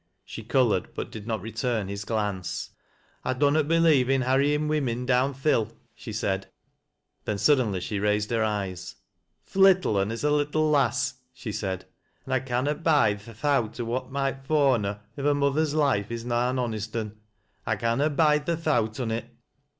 She colored, but did not return his glance. " I dunnot believe in harryin' women down th' hill," she said. Then, suddenly she raised her eyes. " Th' little un is a little lass," she said, " an' I canna bide th' thowt o' what moight fa' on her if her mother's life is na an honest un — I canna bide the thowt on it."